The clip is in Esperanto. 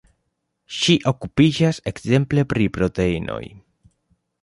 Ŝi okupiĝas ekzemple pri proteinoj.